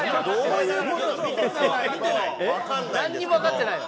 なんにもわかってない。